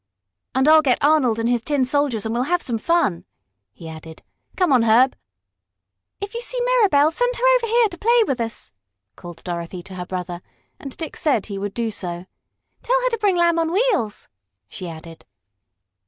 "And I'll get Arnold and his Tin Soldiers and we'll have some fun," he added. "Come on, Herb." "If you see Mirabell, send her over here to play with us," called Dorothy to her brother, and Dick said he would do so. "Tell her to bring her Lamb on Wheels," she added.